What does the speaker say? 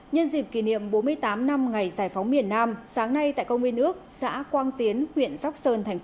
nhân dịp kỷ niệm bốn mươi tám năm ngày giải phóng miền nam sáng nay tại công viên ước xã quang tiến huyện sóc sơn tp hcm